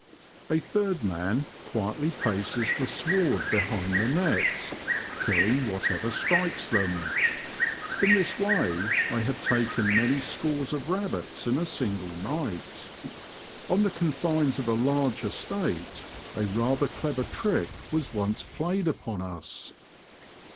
A third man quietly paces the sward behind the nets, killing whatever strikes them. In this way I have taken many scores of rabbits in a single night. On the confines of a large estate a rather clever trick was once played upon us.